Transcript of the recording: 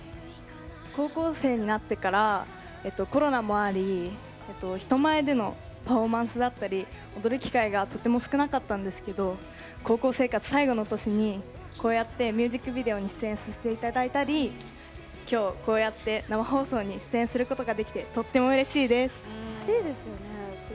高校生になってからコロナもあり人前でのパフォーマンスだったり踊る機会が、とても少なかったんですけど、高校生活最後の年に、こうやってミュージックビデオに出演させていただいたり今日、こうやって生放送に出演することができてとってもうれしいです！